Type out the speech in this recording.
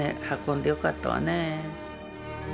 運んでよかったわね。